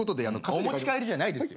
お持ち帰りじゃないですよ。